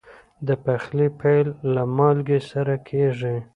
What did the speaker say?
د پخلي پیل له مالګې سره کېږي.